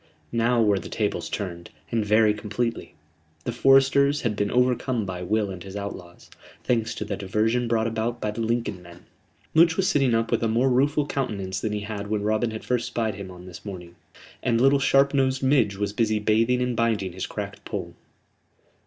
Now were the tables turned, and very completely. The foresters had been overcome by Will and his outlaws, thanks to the diversion brought about by the Lincoln men. Much was sitting up with a more rueful countenance than he had when Robin had first spied him on this morning; and little sharp nosed Midge was busy bathing and binding his cracked poll.